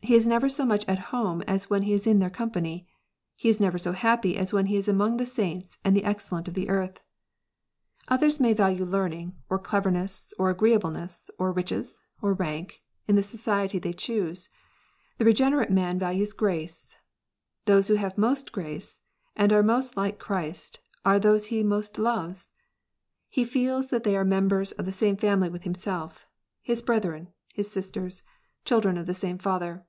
He is never so much at home as when he is in their company : he is never so happy as when he is among the saints and the excellent of the earth. Others may value learning, or cleverness, or agreeableness, or riches, or rank, in the society they choose. The regenerate man values grace. Those who have most grace, and are most like Christ, are those he most loves. He feels that they are members of the same family with himself, his brethren, his sisters, children of the same Father.